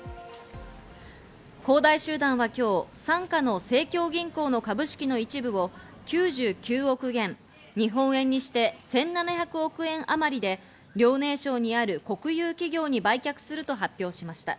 恒大集団は今日、傘下の盛京銀行の株式の一部を９９億元、日本円にして１７００億円あまりで遼寧省にある国有企業に売却すると発表しました。